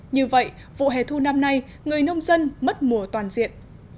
như vậy vụ hè thu năm nay người nông dân mất mùa toàn diện